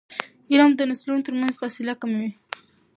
علم د نسلونو ترمنځ فاصله کموي.